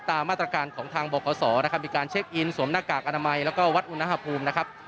ตามมาตรการของทางบขนะครับมีการเช็คอินสวมหน้ากากอนามัยแล้วก็วัดอุณหภูมินะครับ